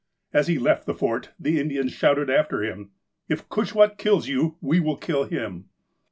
As he left the Fort, the Indians shouted after him :" If Cushwaht kills you, we will kill him."